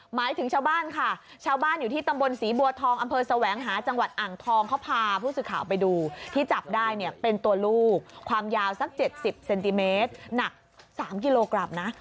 หมายถึงชาวบ้านค่ะชาวบ้านอยู่ที่ตำบลศรีบัวทองอำเภอแสวงหาจังหวัดอ่างทองเขาพาผู้สื่อข่าวไปดูที่จับได้เนี่ยเป็นตัวลูกความยาวสัก๗๐เซนติเมตรหนัก๓กิโลกรัมนะ